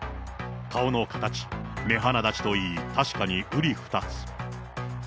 顔の形、目鼻立ちといい、確かにうり二つ。